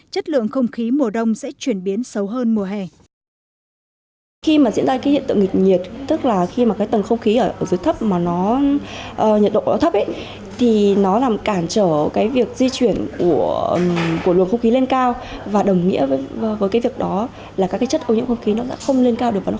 chất lượng không khí mùa đông sẽ chuyển biến sâu hơn mùa hè